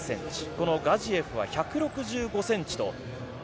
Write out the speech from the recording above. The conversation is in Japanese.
このガジエフは１６５ｃｍと。